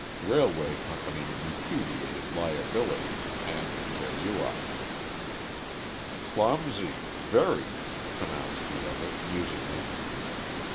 Railway company repudiated liability, and there you are." "Clumsy very," pronounced the other, musingly.